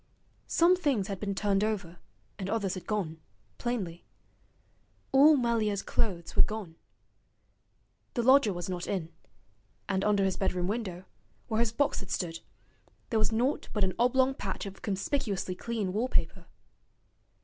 Some things had been turned over and others had gone, plainly. All Melier's clothes were gone. The lodger was not in, and under his bedroom window, where his box had stood, there was naught but an oblong patch of conspicuously clean wallpaper.